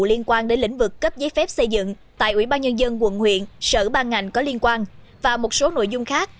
liên quan đến lĩnh vực cấp giấy phép xây dựng tại ubnd quận huyện sở ban ngành có liên quan và một số nội dung khác